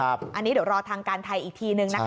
อันนี้เดี๋ยวรอทางการไทยอีกทีนึงนะคะ